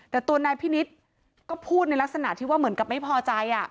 แต่ตัวนายพินิษฐ์ก็พูดในลักษณะที่ว่าเหมือนกับไม่พอใจ